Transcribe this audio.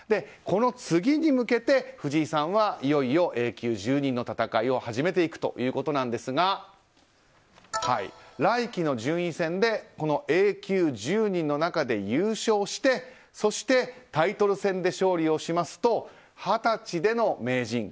この次に向けて藤井さんは、いよいよＡ級１０人の戦いを始めていくということなんですが来期の順位戦でＡ級１０人の中で優勝してそしてタイトル戦で勝利しますと二十歳での名人